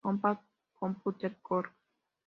Compaq Computer Corp.